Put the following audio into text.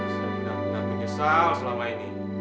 saya benar benar menyesal selama ini